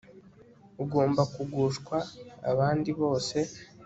ugomba kugushwa abandi bose